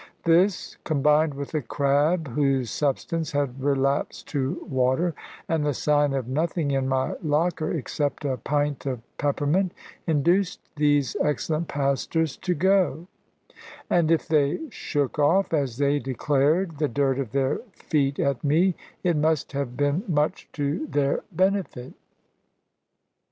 This, combined with a crab whose substance had relapsed to water, and the sign of nothing in my locker except a pint of peppermint, induced these excellent pastors to go; and if they shook off (as they declared) the dirt of their feet at me, it must have been much to their benefit.